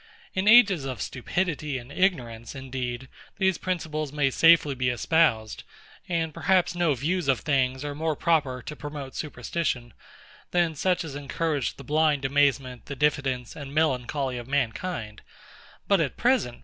In ages of stupidity and ignorance, indeed, these principles may safely be espoused; and perhaps no views of things are more proper to promote superstition, than such as encourage the blind amazement, the diffidence, and melancholy of mankind. But at present...